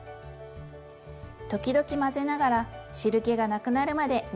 時々混ぜながら汁けがなくなるまで煮て下さいね。